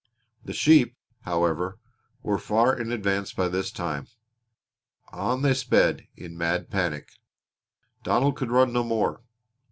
The sheep, however, were far in advance by this time. On they sped in mad panic. Donald could run no more.